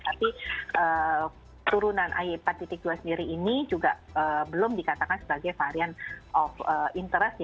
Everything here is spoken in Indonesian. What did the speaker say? tapi turunan ay empat dua sendiri ini juga belum dikatakan sebagai varian of interest